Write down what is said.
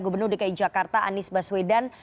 gubernur dki jakarta anies baswedan